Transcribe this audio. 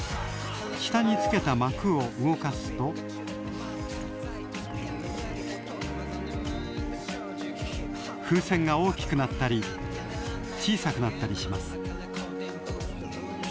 下につけた膜を動かすと風船が大きくなったり小さくなったりします